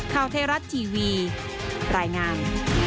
ข้าวเทราชทีวีรายงาน